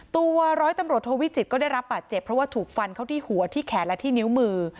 ตัวร้อยตำรวจโทวิจิตก็ได้รับบาดเจ็บเพราะว่าถูกฟันเข้าที่หัวที่แขนและที่นิ้วมือ